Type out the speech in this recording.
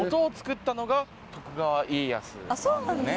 そうなんですね。